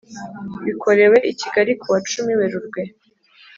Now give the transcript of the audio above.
Bikorewe i Kigali ku wa cumi Werurwe.